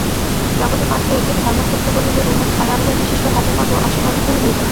জগতে মাত্র একটি ধর্ম সত্য বলিলে উহা ছয় আঙুল-বিশিষ্ট হাতের মত অস্বাভাবিকই হইবে।